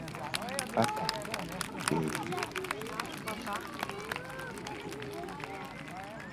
Kkapa nayo eria obusagwa ng'omusota.